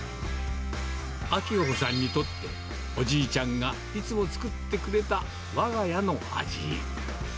あきほさんにとって、おじいちゃんがいつも作ってくれたわが家の味。